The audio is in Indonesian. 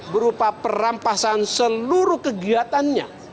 berupa perampasan seluruh kegiatannya